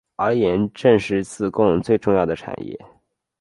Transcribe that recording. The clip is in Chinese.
而盐正是自贡最重要的产业。